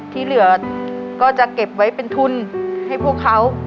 ที่เหลือก็จะเก็บไว้เป็นทุนให้พวกเขา